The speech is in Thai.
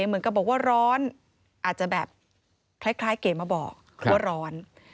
เหมือนกับบอกว่าร้อนอาจจะแบบคล้ายเก๋มาบอกว่าร้อน